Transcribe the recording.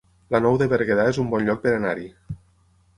La Nou de Berguedà es un bon lloc per anar-hi